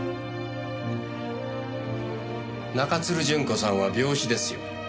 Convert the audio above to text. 中津留順子さんは病死ですよ。